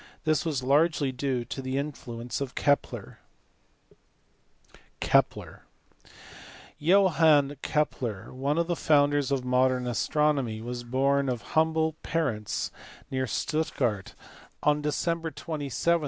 This was largely due to the influence of Kepler. Kepler*. Johann Kepler, one of the founders of modern astronomy, was born of humble parents near Stuttgart on * See Johann Keppler s Leben und Wirken.